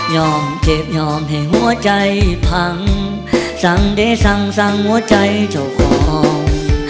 เจ็บยอมให้หัวใจพังสั่งเดสั่งสั่งหัวใจเจ้าของ